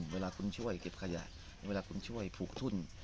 เวลาคุณช่วยเก็บขยะเวลาคุณช่วยผูกทุ่น